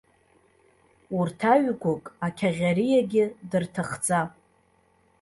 Урҭ аҩгәык ақьаӷьариагьы дырҭахӡам.